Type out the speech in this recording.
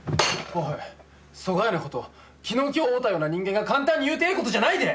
「そがいなこと昨日今日会うたような人間が簡単に言うてええことじゃないで」